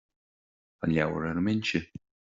Tá an leabhar ar an mbinse